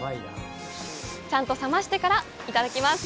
ちゃんと冷ましてからいただきます。